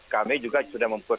kami juga sudah mempersiapkan